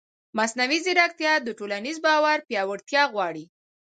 مصنوعي ځیرکتیا د ټولنیز باور پیاوړتیا غواړي.